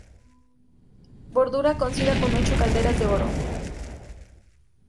Bordura cosida con ocho calderas, de oro.